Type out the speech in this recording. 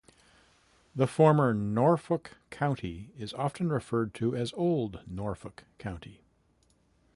The former Norfolk County is often referred to as Old Norfolk County.